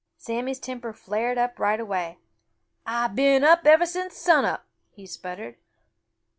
Sammy's temper flared up right away. "I've been up ever since sun up!" he sputtered.